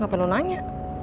gak perlu nanya